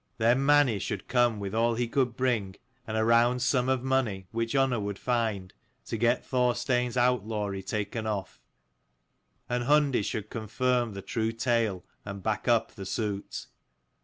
Then Mani should come with all he could bring, and a round sum of money, which Unna would find, to get Thorstein's outlawry taken off; and Hundi should confirm the true tale, and back up the suit.